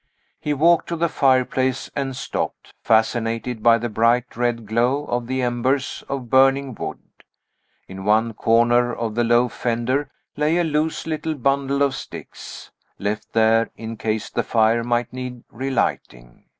He walked to the fireplace and stopped fascinated by the bright red glow of the embers of burning wood. In one corner of the low fender lay a loose little bundle of sticks, left there in case the fire might need relighting.